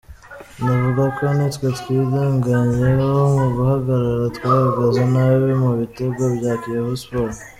Navuga ko ni twe twirangayeho mu guhagarara, twahagaze nabi mu bitego bya Kiyovu Sport.